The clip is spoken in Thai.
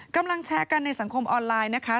กำลังแชร์กันในสังคมออนไลน์นะคะ